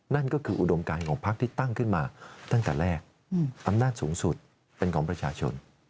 นั่นก็คืออุดมการของพักที่ตั้งขึ้นมาตั้งแต่แรกอำนาจสูงสุดเป็นของประชาชน